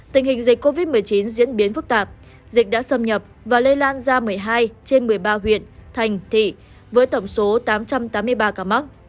tình hình dịch covid một mươi chín diễn biến phức tạp dịch đã xâm nhập và lây lan ra một mươi hai trên một mươi ba huyện thành thị với tổng số tám trăm tám mươi ba ca mắc